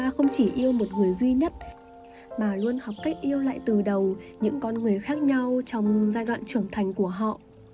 ta không chỉ yêu một người duy nhất mà luôn học cách yêu lại từ đầu những con người khác nhau trong giai đoạn trưởng thành của họ